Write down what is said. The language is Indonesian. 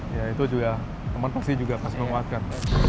iya itu juga teman pasti juga pas menguatkan